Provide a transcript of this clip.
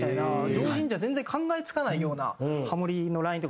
常人じゃ全然考えつかないようなハモリのラインとかも結構あって。